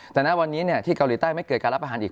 แต่ณวันนี้ที่เกาหลีใต้ไม่เกิดการรับอาหารอีก